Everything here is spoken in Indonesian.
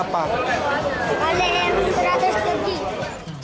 kalian yang beratus lagi